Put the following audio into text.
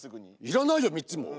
「要らないよ３つも。